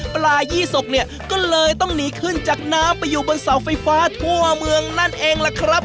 ปลายี่สกเนี่ยก็เลยต้องหนีขึ้นจากน้ำไปอยู่บนเสาไฟฟ้าทั่วเมืองนั่นเองล่ะครับ